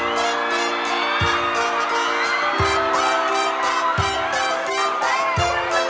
บริโฮะที่นี่คือของเธอ